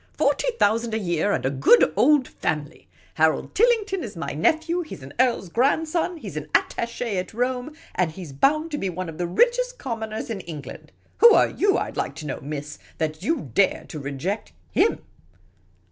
" Forty thousand a year, and a good old family ! Harold Tillington is my nephew ; he 's an earl's grandson ; he 's an attache at Rome ; and he 's bound to be one of the richest commoners in Eng land. Who are you, I 'd like to know, miss, that you dare to reject him